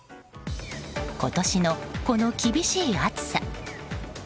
今年の、この厳しい暑さ。